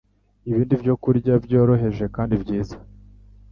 Ibindi byokurya byoroheje kandi byiza,